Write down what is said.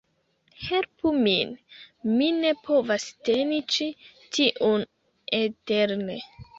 "Helpu min! Mi ne povas teni ĉi tiun eterne"